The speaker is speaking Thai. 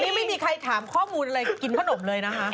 นี่ไม่มีใครถามข้อมูลอะไรกินขนมเลยนะคะ